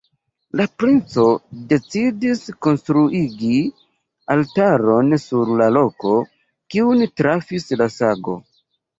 La princo decidis konstruigi altaron sur la loko, kiun trafis la sago.